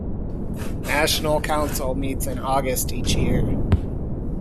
National Council meets in August each year.